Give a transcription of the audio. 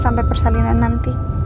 sampai persalinan nanti